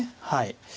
はい。